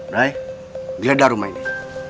ray giliran rumah ini